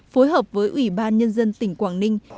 phối hợp với ủy ban nhân dân tỉnh quảng ninh